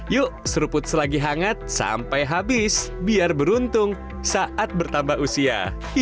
yuk seruput selagi hangat sampai habis biar beruntung saat bertambah usia